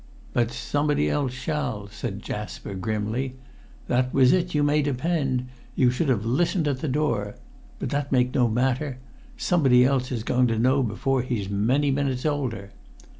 "But somebody else shall!" said Jasper grimly. "That was it, you may depend; you should have listened at the door. But that make no matter. Somebody else is going to know before he's many minutes older!"